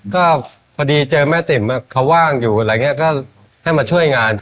ก็พอดีเจอแม่ติ๋มเขาว่างอยู่อะไรอย่างนี้ก็ให้มาช่วยงาน